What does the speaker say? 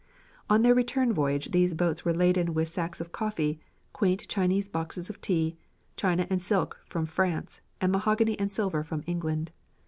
On their return voyage these boats were laden with sacks of coffee, quaint Chinese boxes of tea, china and silk from France, and mahogany and silver from England.